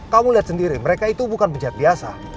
kamu lihat sendiri mereka itu bukan penjahat biasa